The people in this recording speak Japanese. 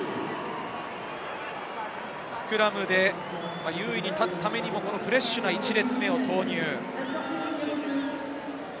スクラムで優位に立つためにもフレッシュな１列目を投入。